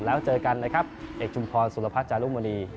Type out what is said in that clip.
แล้วเจอกันนะครับเอกชุมพรสุรพัฒน์จารุมณี